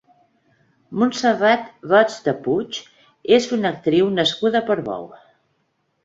Montserrat Roig de Puig és una actriu nascuda a Portbou.